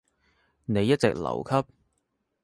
你一直留級？